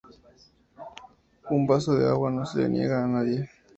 Un vaso de agua no se le niega a nadie